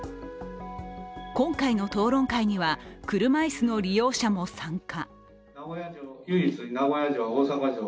今回の討論会には車椅子の利用者も参加。